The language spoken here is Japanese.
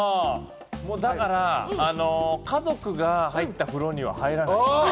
家族が入った風呂には入らない。